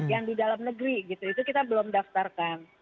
yang di dalam negeri gitu itu kita belum daftarkan